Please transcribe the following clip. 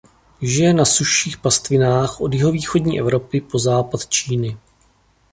Žije na sušších pastvinách od jihovýchodní Evropy po západ Číny.